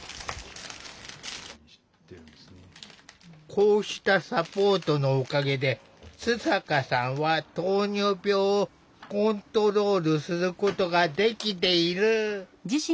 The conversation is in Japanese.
こうしたサポートのおかげで津坂さんは糖尿病をコントロールすることができている。